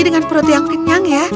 dengan perut yang kenyang ya